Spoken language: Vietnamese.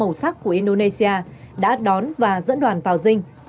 các quân nhạc màu sắc của indonesia đã đón và dẫn đoàn vào dinh